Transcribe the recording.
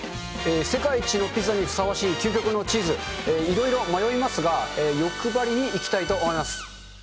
世界一のピザにふさわしい究極のチーズ、いろいろ迷いますが、欲張りにいきたいと思います。